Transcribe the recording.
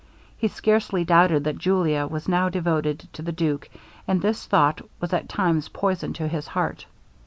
He scarcely doubted that Julia was now devoted to the duke, and this thought was at times poison to his heart.